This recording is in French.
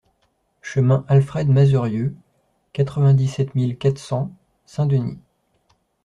Chemin Alfred Mazerieux, quatre-vingt-dix-sept mille quatre cents Saint-Denis